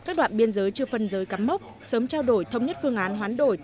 các đoạn biên giới chưa phân giới cắm mốc sớm trao đổi thống nhất phương án hoán đổi